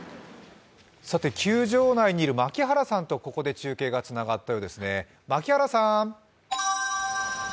球場内にいる槙原さんとここで中継がつながったようです。